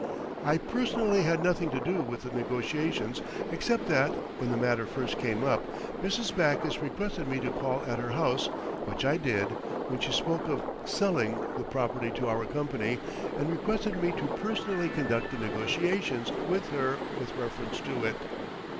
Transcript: I personally had nothing to do with the negotiations except that, when the matter first came up, Mrs. Backus requested me to call at her house, which I did, when she spoke of selling the property to our company and requested me to personally conduct the negotiations with her with reference to it.